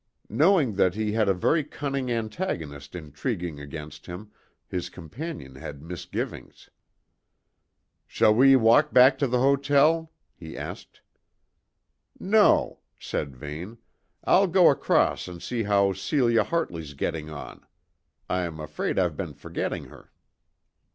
Knowing that he had a very cunning antagonist intriguing against him, his companion had misgivings. "Shall we walk back to the hotel?" he asked. "No," said Vane; "I'll go across and see how Celia Hartley's getting on. I'm afraid I've been forgetting her."